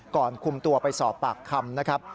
ก่อนคุมตัวไปสอบปากคำนะครับ